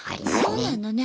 そうなのね。